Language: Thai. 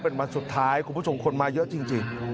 เป็นวันสุดท้ายคุณผู้ชมคนมาเยอะจริง